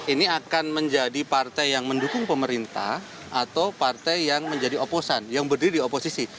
ini akan menjadi partai yang mendukung pemerintah atau partai yang menjadi oposan yang berdiri di oposisi